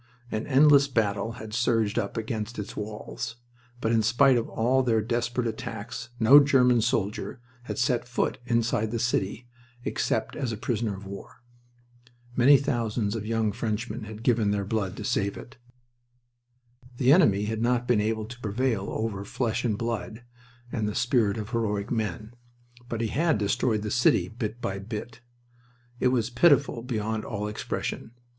An endless battle had surged up against its walls, but in spite of all their desperate attacks no German soldier had set foot inside the city except as a prisoner of war. Many thousands of young Frenchmen had given their blood to save it. The enemy had not been able to prevail over flesh and blood and the spirit of heroic men, but he had destroyed the city bit by bit. It was pitiful beyond all expression.